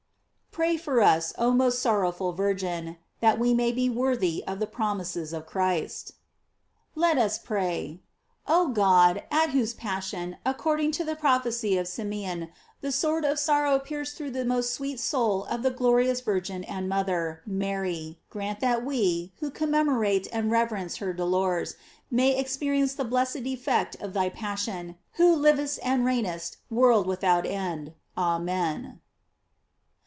Pray for us, oh most sorrowful Virgin; That we may be worthy of the promises of Christ. Let us Pray. OH God, at whose passion, according to the prophecy of Simeon, the sword of sorrow pierced through the most sweet soul of the glorious virgin and mother, Mary, grant that we, who commemo rate and reverence her dolors, may experience the blessed effect of thy passion, who livest and reignest world without end. Amen.